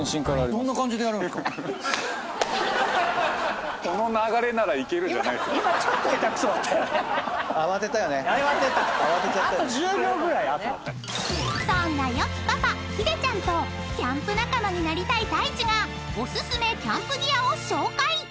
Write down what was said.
［そんなよきパパヒデちゃんとキャンプ仲間になりたい太一がお薦めキャンプギアを紹介］